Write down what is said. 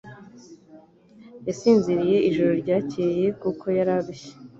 Yasinziriye ijoro ryakeye kuko yararushye.